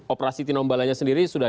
operasi tinombala nya sendiri sudah